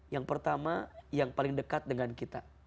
yang pertama yang paling dekat dengan kita